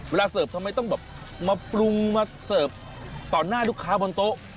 เสิร์ฟทำไมต้องแบบมาปรุงมาเสิร์ฟต่อหน้าลูกค้าบนโต๊ะ